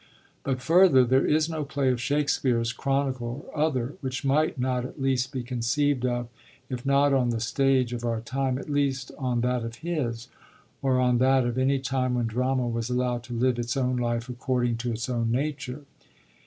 But, further, there is no play of Shakespeare's, chronicle or other, which might not at least be conceived of, if not on the stage of our time, at least on that of his, or on that of any time when drama was allowed to live its own life according to its own nature.